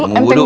gue mau buduh